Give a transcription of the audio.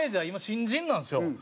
今新人なんですよ。